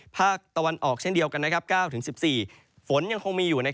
ภาคตะวันออกเช่นเดียวกัน๙๑๔ฝนยังคงมีอยู่